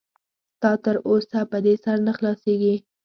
ستا تر اوسه په دې سر نه خلاصېږي.